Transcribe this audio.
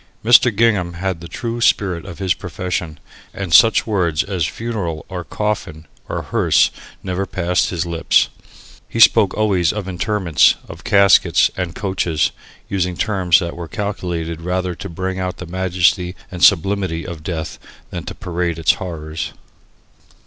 Mr. Gingham had the true spirit of his profession, and such words as "funeral" or "coffin" or "hearse" never passed his lips. He spoke always of "interments," of "caskets," and "coaches," using terms that were calculated rather to bring out the majesty and sublimity of death than to parade its horrors.